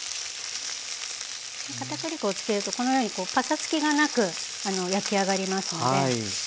かたくり粉をつけるとこのようにパサつきがなく焼き上がりますので。